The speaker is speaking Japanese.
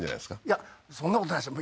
いやそんなことないですよ